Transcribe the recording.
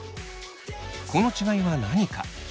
この違いは何か。